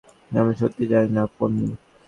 আমি সত্যিই জানি না, পোন্নি।